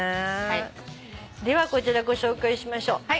ではこちらご紹介しましょう。